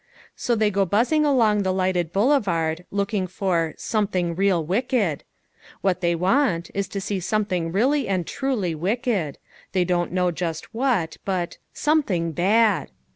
So they go buzzing along the lighted boulevard looking for "something real wicked." What they want is to see something really and truly wicked; they don't know just what, but "something bad."